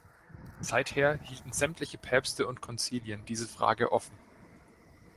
Seither hielten sämtliche Päpste und Konzilien diese Frage offen.